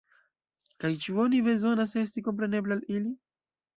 Kaj, ĉu oni ne bezonas esti komprenebla al ili?